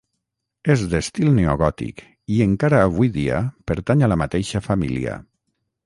És d'estil neogòtic i encara avui dia pertany a la mateixa família.